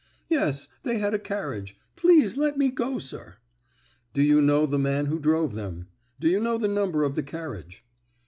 "Yes; they had a carriage. Please let me go, sir." "Do you know the man who drove them? Do you know the number of the carriage?"